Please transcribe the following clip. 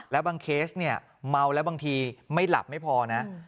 แล้วบางเคสเนี่ยเมาแล้วบางทีไม่หลับไม่พอนะ